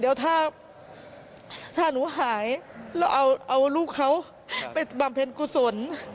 เดี๋ยวถ้าหนูหายแล้วเอาลูกเขาไปบำเพ็ญกุศล